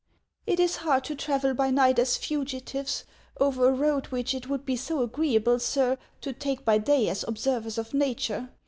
" It is hard to travel by night as fugitives, over a road which it would be so agreeable, sir, to take by day as observers of Nature.